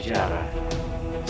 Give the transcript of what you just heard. mereka berhasil melewaskan diri